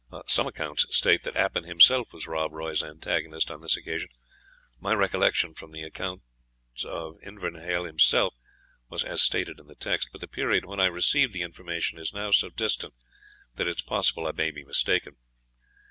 Some accounts state that Appin himself was Rob Roy's antagonist on this occasion. My recollection, from the account of Invernahyle himself, was as stated in the text. But the period when I received the information is now so distant, that it is possible I may be mistaken.